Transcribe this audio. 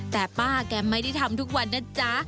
แต่ป้าแกไม่ได้ทำทุกวันนะจ๊ะ